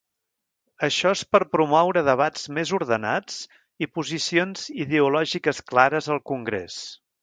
Això és per promoure debats més ordenats i posicions ideològiques clares al Congrés.